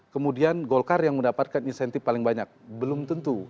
kemudian golkar yang mendapatkan insentif paling banyak belum tentu